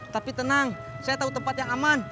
tapi tenang saya tahu tempat yang aman